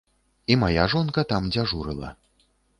І мая жонка там дзяжурыла.